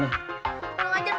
mengajar banget cuk